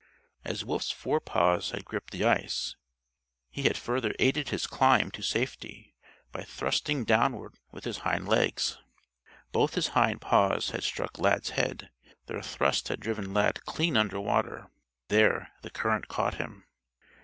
As Wolf's forepaws had gripped the ice, he had further aided his climb to safety by thrusting downward with his hind legs. Both his hind paws had struck Lad's head, their thrust had driven Lad clean under water. There the current caught him.